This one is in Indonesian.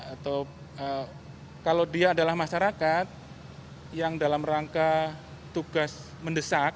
atau kalau dia adalah masyarakat yang dalam rangka tugas mendesak